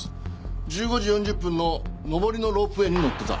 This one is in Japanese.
１５時４０分の上りのロープウエーに乗っていた。